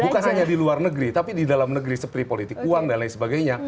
bukan saja di luar negeri tapi di dalam negeri seperti politik uang dan lain sebagainya